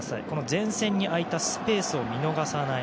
前線に空いたスペースを見逃さない。